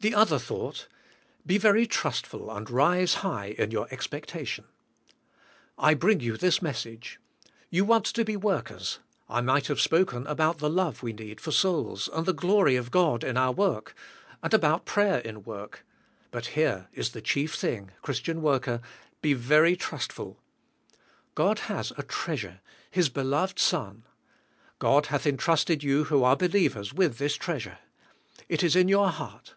The other thoug ht: Be very trustful and rise hig h in your ex pectation. I bring you this messag e. You want to be workers. I mig ht have spoken about the love we need for souls, and the glory of God in our work, and about prayer in work; but here is the chief thing, Christian worker, be very trustful. God has a treasure, His beloved Son. God hath entrusted you who are believers with this treasure. It is in your heart.